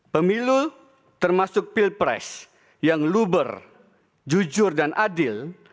pemilu termasuk peer price yang luber jujur dan adil